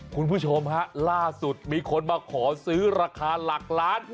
คุณผู้ชมฮะล่าสุดมีคนมาขอซื้อราคาหลักล้าน